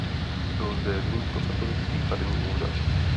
Byl zde římskokatolický farní úřad.